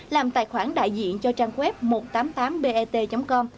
làm tài khoản đại diện cho trang web một trăm tám mươi tám bett com